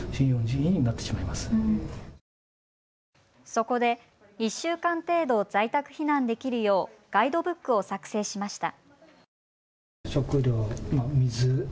そこで１週間程度、在宅避難できるようガイドブックを作成しました。